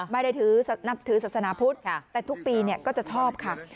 ไม่ได้ถือนับถือศาสนาพุทธแต่ทุกปีก็จะชอบค่ะ